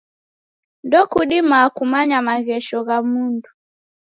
Ndokudimaa kumanya maghesho gha mundu.